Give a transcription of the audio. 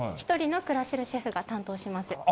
１人のクラシルシェフが担当します。